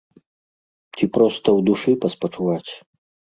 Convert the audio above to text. Ці проста ў душы паспачуваць.